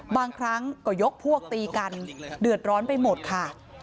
บางครั้งก็ยกพวกตีกันเดือดร้อนไปหมดค่ะ